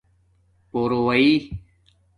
پُوروئئ